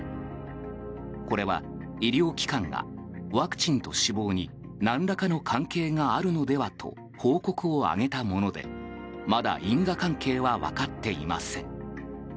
これは、医療機関がワクチンと死亡に何らかの関係があるのではと報告を上げたものでまだ因果関係は分かっていません。